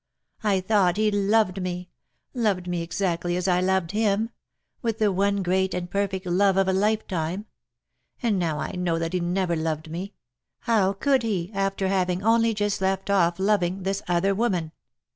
I thought he loved me — loved me exactly as I loved him — with the one great and perfect love of a lifetime — and now I know that he never loved me — how could he after having only just left off loving this other woman?